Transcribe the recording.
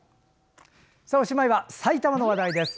おしまいは埼玉の話題です。